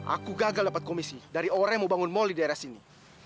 aku gagal dapat komisi dari orang yang mau bangun mall di daerah sini